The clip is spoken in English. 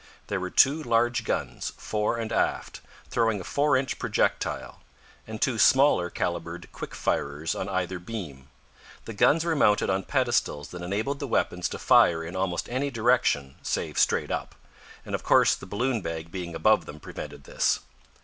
There were two large guns, fore and aft, throwing a four inch projectile, and two smaller calibered quick firers on either beam. The guns were mounted on pedestals that enabled the weapons to fire in almost any direction, save straight up, and of course the balloon bag being above them prevented this.